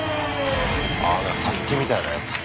「ＳＡＳＵＫＥ」みたいなやつか。